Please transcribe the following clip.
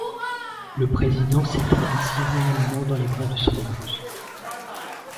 Le président s'éteint ainsi réellement dans les bras de son épouse.